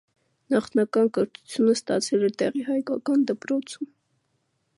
Նախնական կրթությունը ստացել է տեղի հայկական դպրոցում։